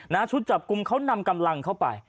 ชุดจับกลุ่มเขานำกำลังเข้าไป